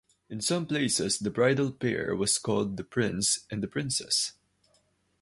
In some places the bridal pair was called the prince and the princess.